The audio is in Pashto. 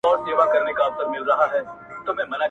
زما لېونتوب هغه دے چې تا خپله لیدلے